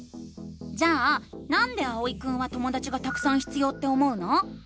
じゃあ「なんで」あおいくんはともだちがたくさん必要って思うの？